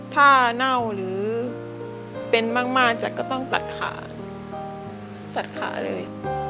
ถ้าเน่าหรือเป็นมากจัดก็ต้องตัดขาตัดขาเลย